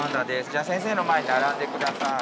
じゃあ先生の前に並んでください。